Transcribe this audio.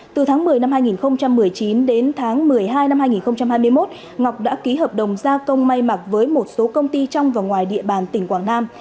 từ tháng một mươi năm hai nghìn một mươi chín đến tháng một mươi hai năm hai nghìn hai mươi một ngọc đã ký hợp đồng gia công may mặc với một số công ty trong và ngoài địa bàn tỉnh quảng nam